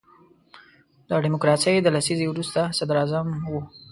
د ډیموکراسۍ د لسیزې وروستی صدر اعظم وو.